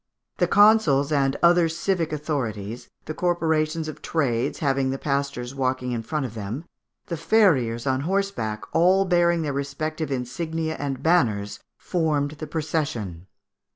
The consuls and other civic authorities, the corporations of trades having the pastors walking in front of them, the farriers on horseback, all bearing their respective insignia and banners, formed the procession.